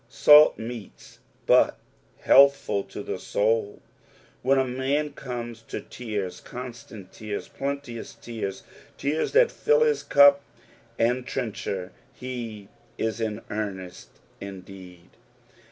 Salt meats, but healthful to the soul. When a man cornea to tears, constant teara, plenteous tears, teara that fill his cup and trencher, he is in earnest indeed.